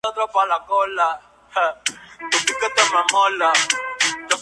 Emocionada, habló de la precariedad económica en que vivía y rogó por un trabajo.